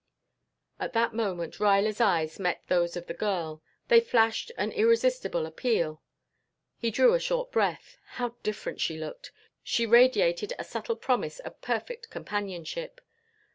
At that moment Ruyler's eyes met those of the girl. They flashed an irresistible appeal. He drew a short breath. How different she looked! She radiated a subtle promise of perfect companionship.